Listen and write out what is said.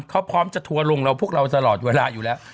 เขาพร้อมจะทัวร์ลงเราพวกเราตลอดเวลาอยู่แล้ว